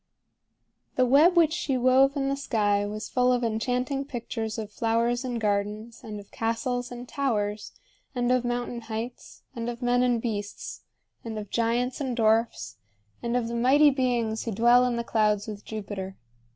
The web which she wove in the sky was full of enchanting pictures of flowers and gardens, and of castles and towers, and of mountain heights, and of men and beasts, and of giants and dwarfs, and of the mighty beings who dwell in the clouds with Jupiter.